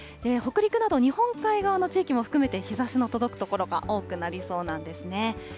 北陸など日本海側の地域も含めて日ざしの届く所が多くなりそうなんですね。